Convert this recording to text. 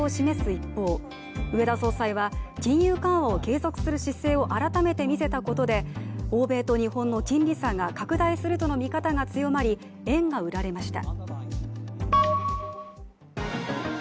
一方植田総裁は金融緩和を継続する姿勢を改めて見せたことで欧米と日本の金利差が拡大するとの見方が強まり円が売られました。